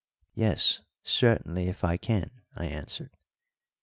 "Yes, certainly, if I can," I answered.